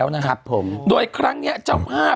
สุริยาจันทราทองเป็นหนังกลางแปลงในบริษัทอะไรนะครับ